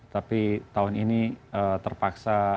tapi tahun ini terpaksa